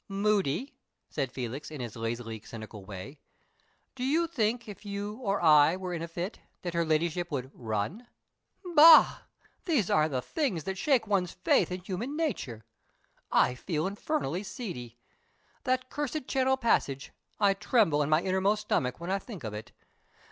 "Moody," said Felix, in his lazily cynical way, "do you think if you or I were in a fit that her Ladyship would run? Bah! these are the things that shake one's faith in human nature. I feel infernally seedy. That cursed Channel passage I tremble in my inmost stomach when I think of it.